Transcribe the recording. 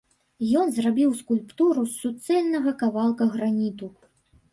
Ён зрабіў скульптуру з суцэльнага кавалка граніту.